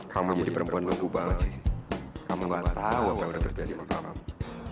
kamu jadi perempuan gembuk banget sih kamu gak tahu apa yang akan terjadi sama kamu